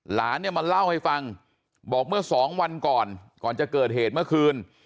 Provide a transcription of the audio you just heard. หลานเนี่ยมาเล่าให้ฟังบอกเมื่อสองวันก่อนก่อนจะเกิดเหตุเมื่อคืน